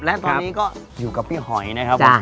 และตอนนี้ก็อยู่กับพี่หอยนะครับผม